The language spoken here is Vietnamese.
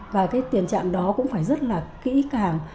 và cái tình trạng đó cũng phải rất là kỹ càng